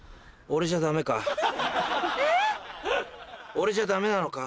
俺じゃダメなのか？